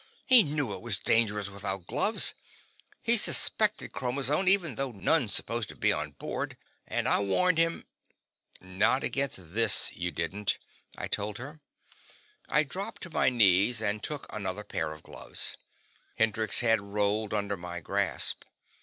He knew it was dangerous without gloves; he suspected chromazone, even though none's supposed to be on board. And I warned him ..." "Not against this, you didn't," I told her. I dropped to my knees and took another pair of gloves. Hendrix's head rolled under my grasp.